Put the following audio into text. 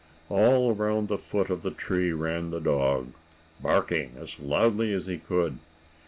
All around the foot of the tree ran the dog, barking as loudly as he could.